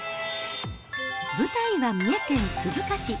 舞台は三重県鈴鹿市。